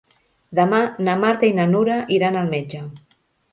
Demà na Marta i na Nura iran al metge.